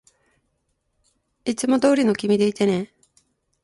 いつもどうりの君でいてね